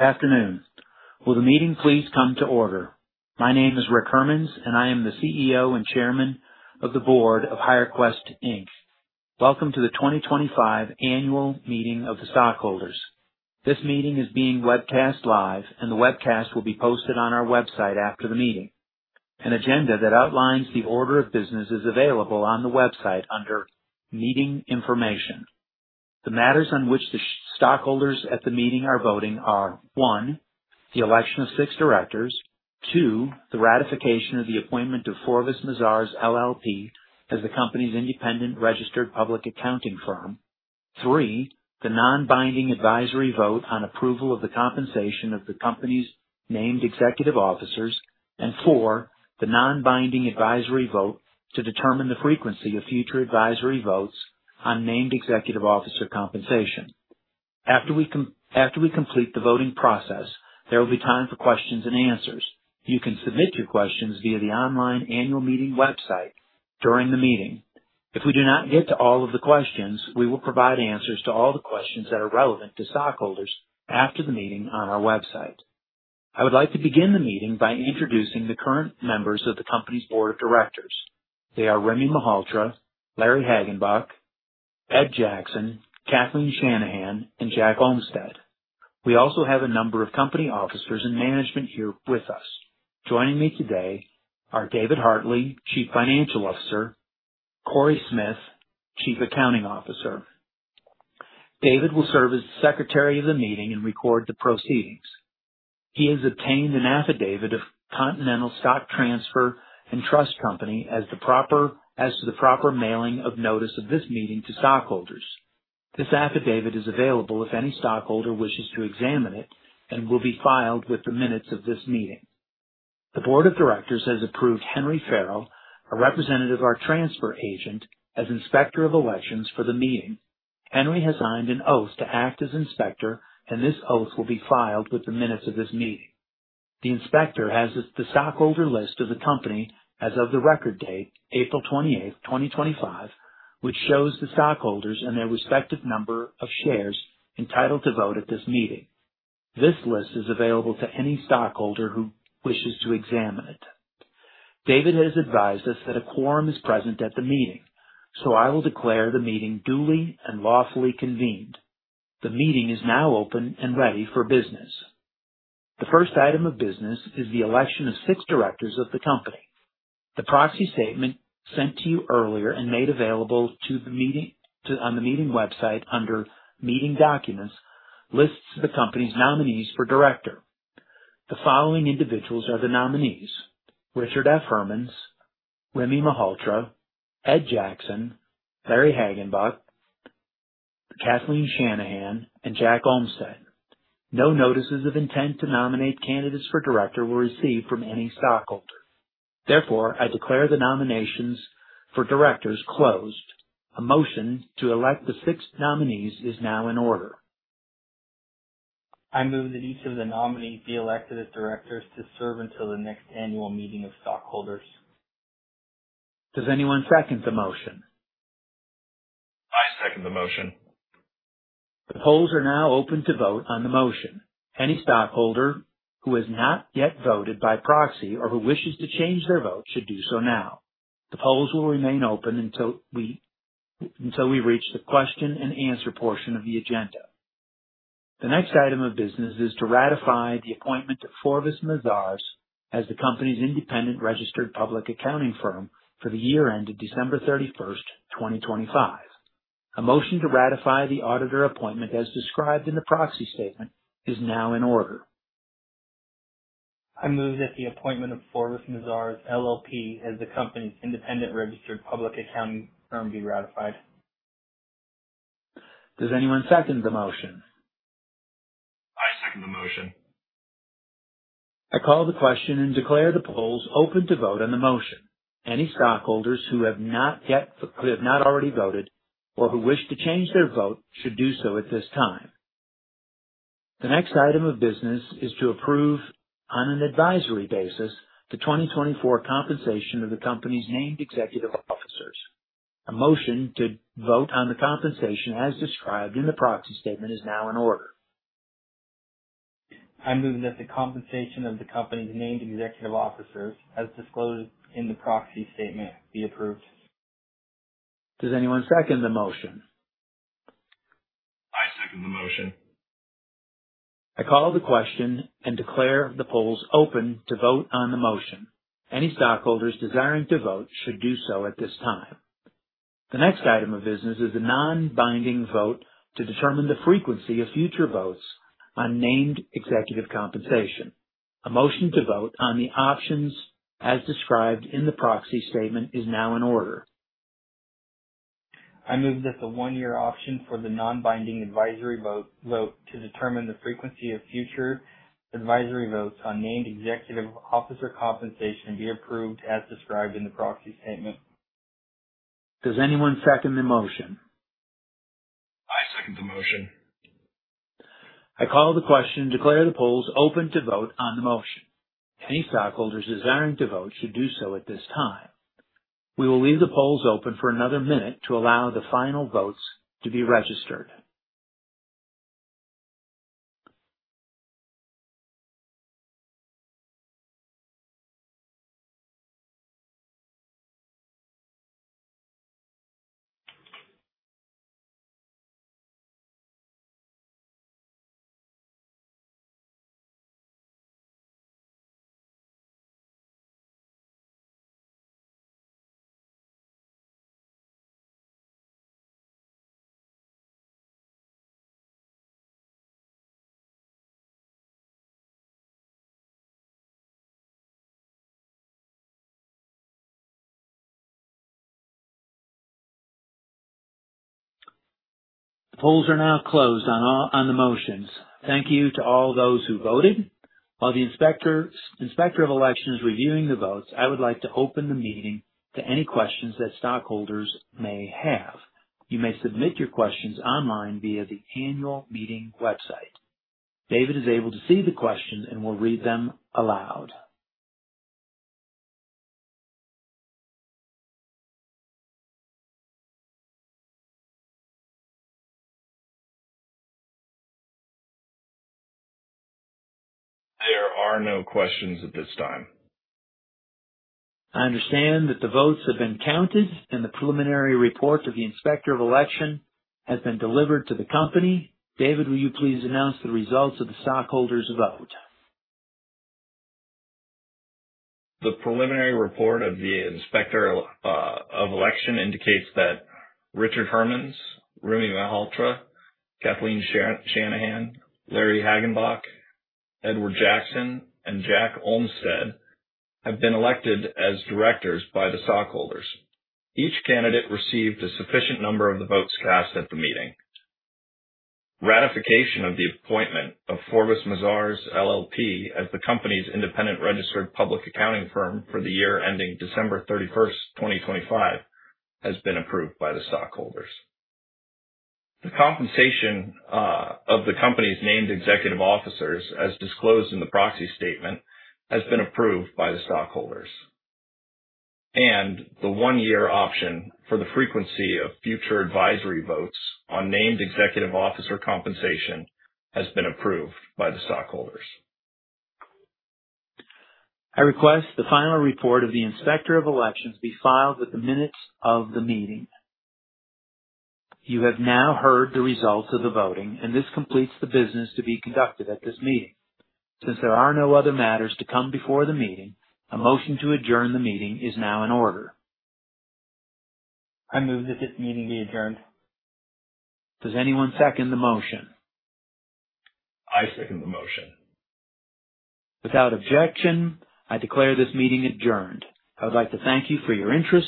Afternoon. Will the meeting please come to order? My name is Rick Hermanns and I am the CEO and Chairman of the Board of HireQuest Inc. Welcome to the 2025 Annual Meeting of the Stockholders. This meeting is being webcast live, and the webcast will be posted on our website after the meeting. An agenda that outlines the order of business is available on the website under Meeting Information. The matters on which the stockholders at the meeting are voting are: one, the election of six directors; two, the ratification of the appointment of Forvis Mazars, LLP, as the company's independent registered public accounting firm; three, the non-binding advisory vote on approval of the compensation of the company's named executive officers; and four, the non-binding advisory vote to determine the frequency of future advisory votes on named executive officer compensation. After we complete the voting process, there will be time for questions and answers. You can submit your questions via the online Annual Meeting website during the meeting. If we do not get to all of the questions, we will provide answers to all the questions that are relevant to stockholders after the meeting on our website. I would like to begin the meeting by introducing the current members of the company's board of directors. They are Rimmy Malhotra, Larry Hagenbuch, Ed Jackson, Kathleen Shanahan, and Jack Olmstead. We also have a number of company officers and management here with us. Joining me today are David Hartley, Chief Financial Officer, and Cory Smith, Chief Accounting Officer. David will serve as Secretary of the Meeting and record the proceedings. He has obtained an affidavit of Continental Stock Transfer and Trust Company as to the proper mailing of notice of this meeting to stockholders. This affidavit is available if any stockholder wishes to examine it and will be filed with the minutes of this meeting. The Board of Directors has approved Henry Farrell, a representative of our transfer agent, as inspector of elections for the meeting. Henry has signed an oath to act as inspector, and this oath will be filed with the minutes of this meeting. The inspector has the stockholder list of the company as of the record date, April 28th, 2025, which shows the stockholders and their respective number of shares entitled to vote at this meeting. This list is available to any stockholder who wishes to examine it. David has advised us that a quorum is present at the meeting, so I will declare the meeting duly and lawfully convened. The meeting is now open and ready for business. The first item of business is the election of six directors of the company. The proxy statement sent to you earlier and made available on the meeting website under Meeting Documents lists the company's nominees for director. The following individuals are the nominees: Richard F. Hermanns, Rimmy Malhotra, Ed Jackson, Larry Hagenbuch, Kathleen Shanahan, and Jack Olmstead. No notices of intent to nominate candidates for director were received from any stockholder. Therefore, I declare the nominations for directors closed. A motion to elect the six nominees is now in order. I move that each of the nominees be elected as directors to serve until the next Annual Meeting of Stockholders. Does anyone second the motion? I second the motion. The polls are now open to vote on the motion. Any stockholder who has not yet voted by proxy or who wishes to change their vote should do so now. The polls will remain open until we reach the question-and-answer portion of the agenda. The next item of business is to ratify the appointment of Forvis Mazars as the company's independent registered public accounting firm for the year ended December 31st, 2025. A motion to ratify the auditor appointment as described in the proxy statement is now in order. I move that the appointment of Forvis Mazars, LLP, as the company's independent registered public accounting firm be ratified. Does anyone second the motion? I second the motion. I call the question and declare the polls open to vote on the motion. Any stockholders who have not already voted or who wish to change their vote should do so at this time. The next item of business is to approve on an advisory basis the 2024 compensation of the company's named executive officers. A motion to vote on the compensation as described in the proxy statement is now in order. I move that the compensation of the company's named executive officers, as disclosed in the proxy statement, be approved. Does anyone second the motion? I second the motion. I call the question and declare the polls open to vote on the motion. Any stockholders desiring to vote should do so at this time. The next item of business is a non-binding vote to determine the frequency of future votes on named executive compensation. A motion to vote on the options as described in the proxy statement is now in order. I move that the one-year option for the non-binding advisory vote to determine the frequency of future advisory votes on named executive officer compensation be approved as described in the proxy statement. Does anyone second the motion? I second the motion. I call the question and declare the polls open to vote on the motion. Any stockholders desiring to vote should do so at this time. We will leave the polls open for another minute to allow the final votes to be registered. The polls are now closed on the motions. Thank you to all those who voted. While the inspector of elections is reviewing the votes, I would like to open the meeting to any questions that stockholders may have. You may submit your questions online via the Annual Meeting website. David is able to see the questions and will read them aloud. There are no questions at this time. I understand that the votes have been counted and the preliminary report of the inspector of elections has been delivered to the company. David, will you please announce the results of the stockholders' vote? The preliminary report of the inspector of election indicates that Richard Hermanns, Rimmy Malhotra, Kathleen Shanahan, Larry Hagenbuch, Edward Jackson, and Jack Olmstead have been elected as directors by the stockholders. Each candidate received a sufficient number of the votes cast at the meeting. Ratification of the appointment of Forvis Mazars, LLP, as the company's independent registered public accounting firm for the year ending December 31st, 2025, has been approved by the stockholders. The compensation of the company's named executive officers, as disclosed in the proxy statement, has been approved by the stockholders. The one-year option for the frequency of future advisory votes on named executive officer compensation has been approved by the stockholders. I request the final report of the inspector of elections be filed with the minutes of the meeting. You have now heard the results of the voting, and this completes the business to be conducted at this meeting. Since there are no other matters to come before the meeting, a motion to adjourn the meeting is now in order. I move that this meeting be adjourned. Does anyone second the motion? I second the motion. Without objection, I declare this meeting adjourned. I would like to thank you for your interest.